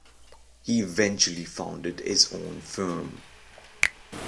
He eventually founded his own firm.